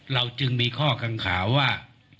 เราจึงมีข้อกังขาว่า